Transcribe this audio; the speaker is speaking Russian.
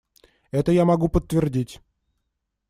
Это я могу подтвердить.